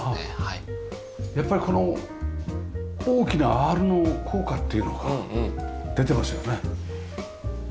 やっぱりこの大きなアールの効果っていうのが出てますよね。